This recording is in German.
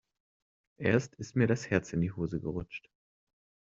Erst ist mir das Herz in die Hose gerutscht.